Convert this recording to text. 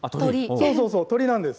そうそうそう、鳥なんです。